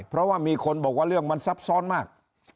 เพราะว่ามีคนบอกว่าเรื่องมันซับซ้อนมาก